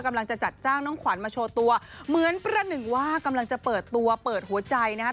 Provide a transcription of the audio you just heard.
จัดจ้างน้องขวัญมาโชว์ตัวเหมือนประหนึ่งว่ากำลังจะเปิดตัวเปิดหัวใจนะครับ